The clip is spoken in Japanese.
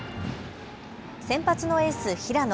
先発のエース、平野。